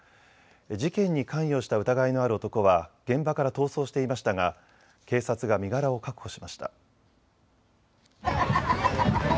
事件に関与した疑いのある男は現場から逃走していましたが警察が身柄を確保しました。